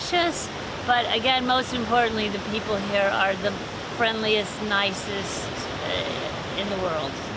tapi yang paling penting orang orang di sini adalah orang yang paling baik dan baik di dunia